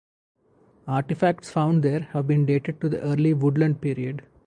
Artifacts found there have been dated to the early Woodland period.